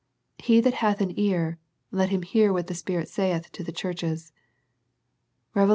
He that hath an ear, let him hear what the Spirit saith to the churches." Rev. iii.